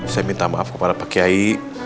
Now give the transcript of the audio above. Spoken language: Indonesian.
saya minta maaf kepada pak kiai